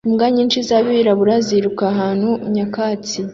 Imbwa nyinshi zabirabura ziruka ahantu nyakatsi